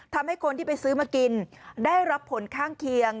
ทำให้คนที่ไปซื้อมากินได้รับผลข้างเคียง